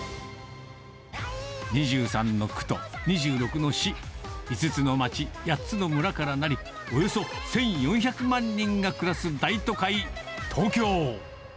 ２３の区と２６の市、５つの町、８つの村からなり、およそ１４００万人が暮らす大都会東京。